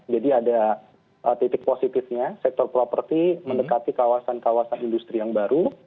jadi ada titik positifnya sektor property mendekati kawasan kawasan industri yang baru